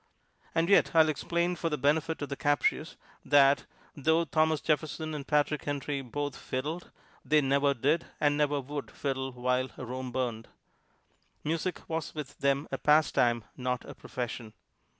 And yet I'll explain for the benefit of the captious that, although Thomas Jefferson and Patrick Henry both fiddled, they never did and never would fiddle while Rome burned. Music was with them a pastime, not a profession.